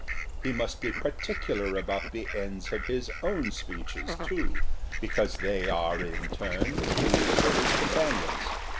He must he particular ahout the ends of his own speeches, too, because they are in turn the cues for his companions.